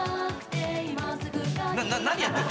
何やってんの？